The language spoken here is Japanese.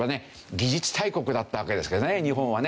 技術大国だったわけですけどね日本はね。